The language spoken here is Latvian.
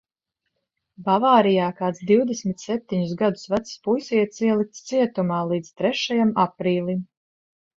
Bavārijā kāds divdesmit septiņus gadus vecs puisietis ielikts cietumā – līdz trešajam aprīlim.